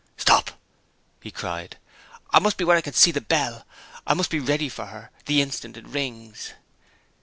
"Stop!" he cried. "I must be where I can see the bell I must be ready for her, the instant it rings."